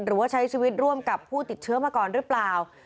หรือว่าใช้ชีวิตร่วมกับผู้ติดเชื้อมาก่อนหรือเปล่า